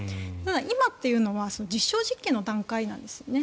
今というのは実証実験の段階なんですよね。